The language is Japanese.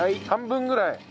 半分ぐらい？